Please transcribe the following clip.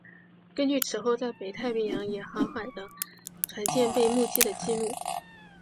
根据此后在北太平洋也航海的船舰被目击的记录。